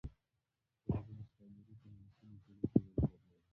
د هغو مستعمرو په نولسمه پېړۍ کې وده درلوده.